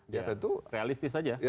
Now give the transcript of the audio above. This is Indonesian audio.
ya tentu realistis saja